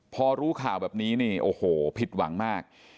พอรู้ข่าวแบบนี้นี่โอ้โหผิดหวังมาก